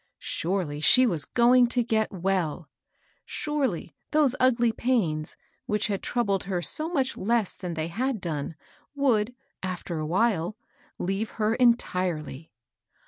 Surely she was going to get well I Surely those ugly pains, which had troubled her so much less than they had done, would, after a while, leave her entirely.